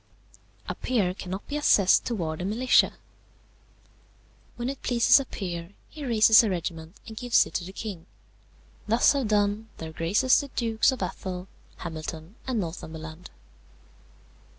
"A peer cannot be assessed towards the militia. "When it pleases a peer he raises a regiment and gives it to the king; thus have done their graces the Dukes of Athol, Hamilton, and Northumberland.